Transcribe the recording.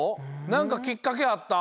なんかきっかけあった？